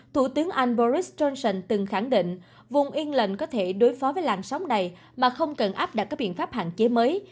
thủ tướng anh boris johnson từng khẳng định vùng yên lệnh có thể đối phó với làn sóng này mà không cần áp đặt các biện pháp hạn chế mới